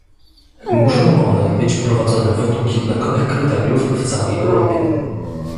Muszą one być prowadzone według jednakowych kryteriów w całej Europie